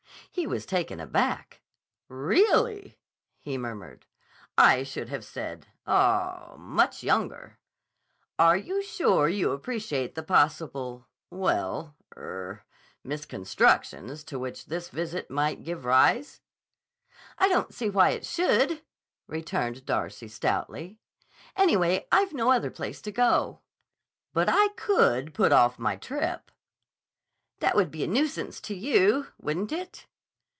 He was taken aback. "Really!" he murmured. "I should have said—aw—much' younger. Are you sure you appreciate the possible—well—er—misconstructions to which this visit might give rise?" "I don't see why it should," returned Darcy stoutly. "Anyway, I've no other place to go." "But I could put off my trip." "That would be a nuisance to you, wouldn't it?"